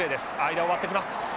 間を割ってきます。